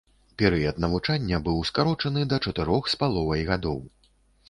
Перыяд навучання быў скарочаны да чатырох з паловай гадоў.